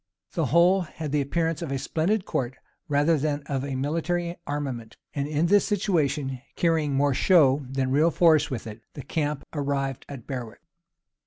The whole had the appearance of a splendid court, rather than of a military armament; and in this situation, carrying more show than real force with it, the camp arrived at Berwick.